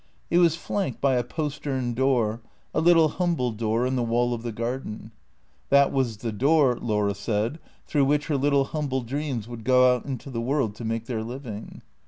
It was flanked by a postern door, a little humble door in the wall of the garden. That was the door, Laura said, through which her little humble dreams would go out into the world to make their living.